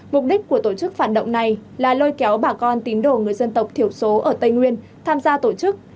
mục đích của tổ chức phản động này là lôi kéo bà con tín đồ người dân tộc thiểu số ở tây nguyên tham gia tổ chức